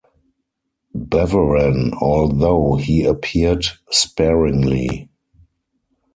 Beveren, although he appeared sparingly.